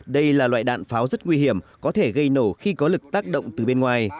đây là loại đạn pháo rất nguy hiểm có thể gây nổ khi có lực tác động từ bên ngoài